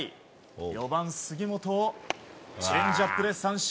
４番、杉本チェンジアップで三振。